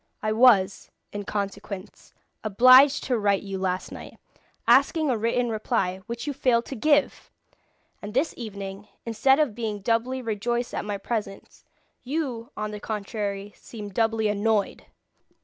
I was, in consequence, obliged to write you last night, asking a written reply, which you failed to give! And this evening, instead of being doubly rejoiced at my presence, you, on the contrary, seem doubly annoyed!